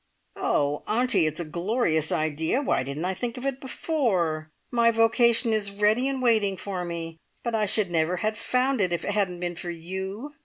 "Oh, Auntie, it's a glorious idea. Why didn't I think of it before? My vocation is ready and waiting for me, but I should never have found it if it hadn't been for you!